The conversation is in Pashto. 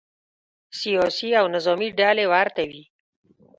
سیاسي او نظامې ډلې ورته وي.